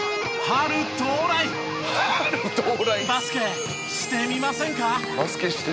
「“春到来”」「“バスケしてみませんか”」